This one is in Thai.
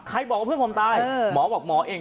บอกว่าเพื่อนผมตายหมอบอกหมอเอง